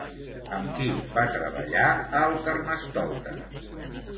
Amb qui va treballar a El Carnestoltes?